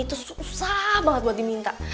itu susah banget buat diminta